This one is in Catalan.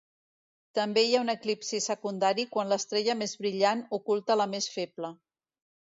També hi ha un eclipsi secundari quan l'estrella més brillant oculta la més feble.